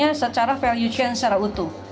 dan melihatnya secara value chain secara utuh